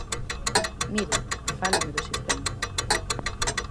Mire, fálame do sistema.